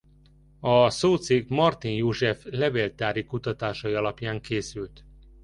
A szócikk Marti József levéltári kutatásai alapján készült.